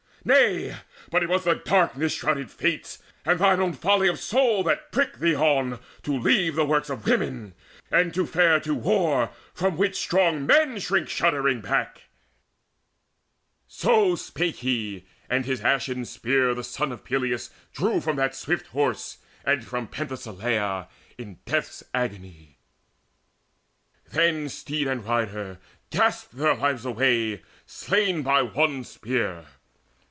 Nay, but it was the darkness shrouded Fates And thine own folly of soul that pricked thee on To leave the works of women, and to fare To war, from which strong men shrink shuddering back." So spake he, and his ashen spear the son Of Peleus drew from that swift horse, and from Penthesileia in death's agony. Then steed and rider gasped their lives away Slain by one spear.